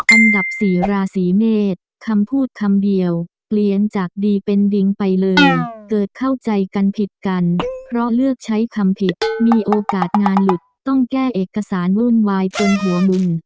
อันดับสี่ราศีเมษคำพูดคำเดียวเปลี่ยนจากดีเป็นดิงไปเลยเกิดเข้าใจกันผิดกันเพราะเลือกใช้คำผิดมีโอกาสงานหลุดต้องแก้เอกสารวุ่นวายจนหัวมุม